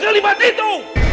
bukan kalimat itu